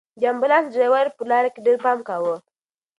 د امبولانس ډرېور په لاره کې ډېر پام کاوه.